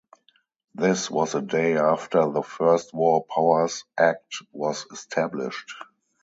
This was a day after the First War Powers Act was established.